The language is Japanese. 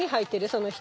その人。